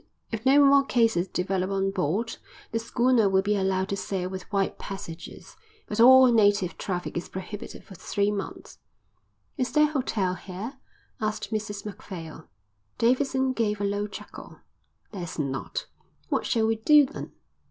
If no more cases develop on board, the schooner will be allowed to sail with white passengers, but all native traffic is prohibited for three months." "Is there a hotel here?" asked Mrs Macphail. Davidson gave a low chuckle. "There's not." "What shall we do then?"